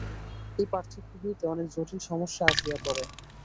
এই পার্থক্য হইতে অনেক জটিল সমস্যা আসিয়া পড়ে।